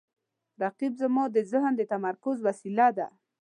رقیب زما د ذهن د تمرکز وسیله ده